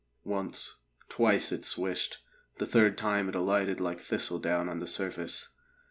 Once, twice it swished; the third time it alighted like thistledown on the surface.